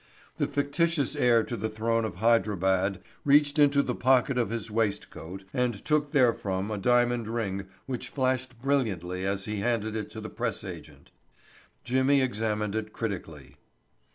The fictitious heir to the throne of Hydrabad reached into the pocket of his waistcoat and took therefrom a diamond ring which flashed brilliantly as he handed it to the press agent. Jimmy examined it critically.